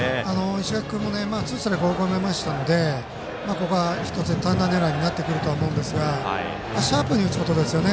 石垣君もツーストライクと追い込まれたのでここは単打狙いになってくると思いますがシャープに打つことですよね。